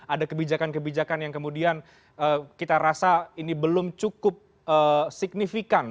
ada kebijakan kebijakan yang kemudian kita rasa ini belum cukup signifikan